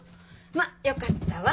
まあよかったわ。